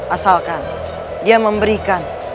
asalkan dia memberikan